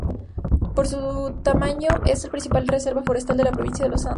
Por su tamaño es la principal reserva forestal de la provincia de Los Santos.